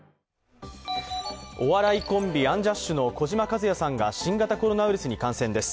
お笑いコンビ・アンジャッシュの児嶋一哉さんが新型コロナウイルスに感染です。